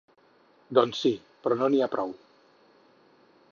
Doncs sí, però no n’hi ha prou.